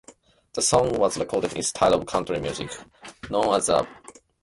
The song was recorded in style of country music known as the Bakersfield Sound.